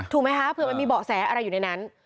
ถูกไหมคะเผื่อมันมีเบาะแสอะไรอยู่ในนั้น